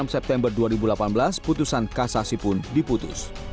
enam september dua ribu delapan belas putusan kasasi pun diputus